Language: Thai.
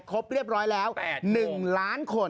ครบเรียบร้อยแล้ว๑ล้านคน